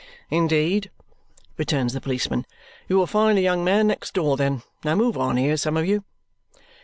"Indeed?" returns the policeman. "You will find the young man next door then. Now move on here, some of you."